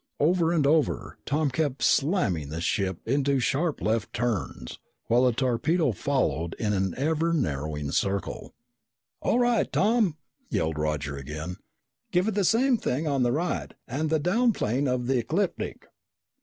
Over and over, Tom kept slamming the ship into sharp left turns, while the torpedo followed in an ever narrowing circle. "All right, Tom!" yelled Roger again. "Give it the same thing on the right and the down plane of the ecliptic!"